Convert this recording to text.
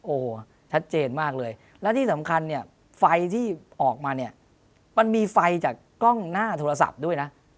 โอ้โหชัดเจนมากเลยและที่สำคัญเนี่ยไฟที่ออกมาเนี่ยมันมีไฟจากกล้องหน้าโทรศัพท์ด้วยนะ